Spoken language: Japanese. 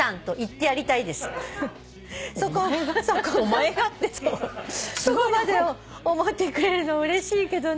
「そこまで思ってくれるのうれしいけどね」